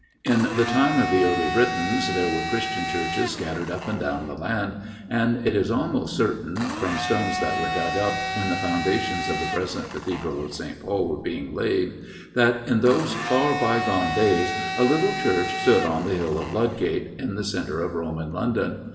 In the time of the early Britons there were Christian churches scattered up and down the land, and it is almost certain, from stones that were dug up when the foundations of the present Cathedral of St. Paul were being laid, that in those far bygone days a little church stood on the Hill of Ludgate, in the centre of Roman London.